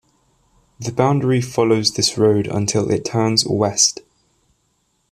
The boundary follows this road until it turns west.